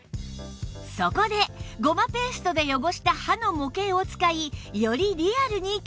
そこでゴマペーストで汚した歯の模型を使いよりリアルに検証！